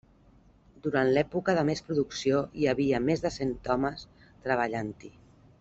Durant l'època de més producció hi havia més de cent homes treballant-hi.